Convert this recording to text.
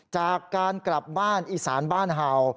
จากการกลับบ้านอีสานบ้านเห่า